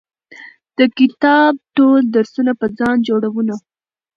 د کتاب ټول درسونه په ځان جوړونه